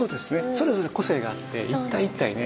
それぞれ個性があって一体一体ね